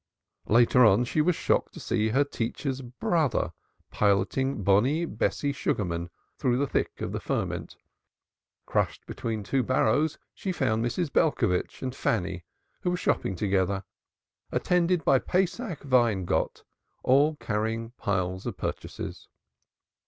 Later on, she was shocked to see her teacher's brother piloting bonny Bessie Sugarman through the thick of the ferment. Crushed between two barrows, she found Mrs. Belcovitch and Fanny, who were shopping together, attended by Pesach Weingott, all carrying piles of purchases.